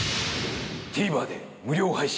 ＴＶｅｒで無料配信。